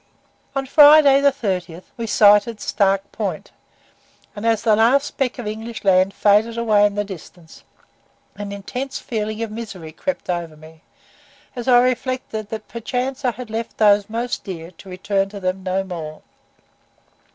On Friday, the 30th, we sighted Stark Point; and as the last speck of English land faded away in the distance, an intense feeling of misery crept over me, as I reflected that perchance I had left those most dear to return to them no more.